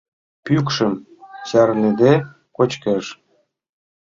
Пӱкшым чарныде кочкеш.